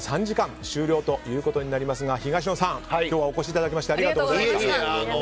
３時間終了ということになりますが東野さん、今日はお越しいただきましていえいえ。